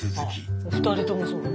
あ２人ともそう。